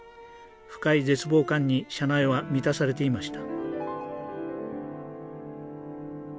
深い絶望感に車内は満たされていました。